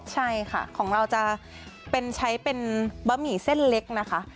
ใช่ค่ะของเราจะใช้เป็นบะหมี่เส้นเล็กนะคะ